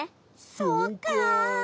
そうか。